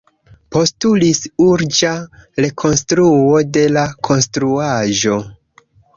Postulis urĝa rekonstruo de la konstruaĵo.